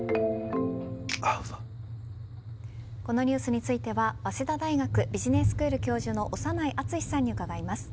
このニュースについては早稲田大学ビジネススクール教授の長内厚さんに伺います。